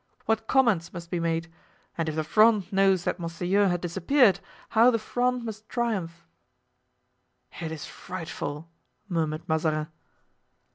What comments must be made; and if the Fronde knows that monseigneur has disappeared, how the Fronde must triumph!" "It is frightful," murmured Mazarin.